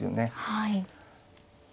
はい。